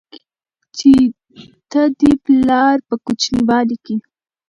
چې ته دې پلار په کوچينوالي کې